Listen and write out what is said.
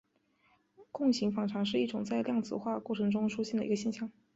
共形反常是一种在量子化过程中出现的一个现象。